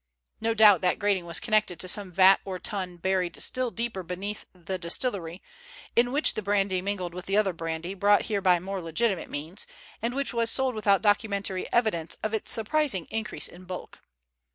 No doubt that grating was connected to some vat or tun buried still deeper beneath the distillery, in which the brandy mingled with the other brandy brought there by more legitimate means, and which was sold without documentary evidence of its surprising increase in bulk.